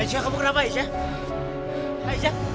aisyah kamu kenapa aisyah